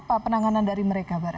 bagaimana menurut bara